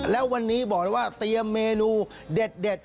แล้ววันนี้บอกเลยว่าเตรียมเมนูเด็ด